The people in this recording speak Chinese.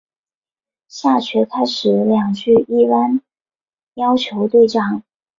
下阕开始两句一般要求对仗。